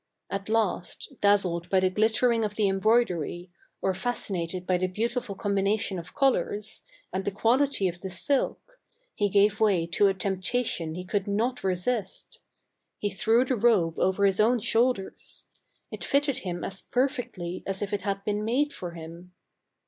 At last, dazzled by the glittering of the embroidery, or fascinated by the beautiful combination of colors, and the quality of the silk, he gave way to a temptation he could not resist. He threw the robe over his own shoul ders. It fitted him as perfectly as if it had been made for him.